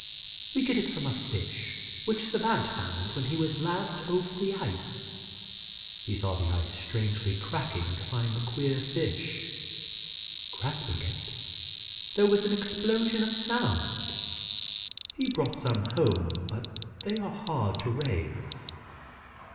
"We get it from a fish, which Savant found when he was last over the ice. He saw the ice strangely cracking to find the queer fish. Grasping it, there was an explosion of sound. He brought some home, but they are hard to raise."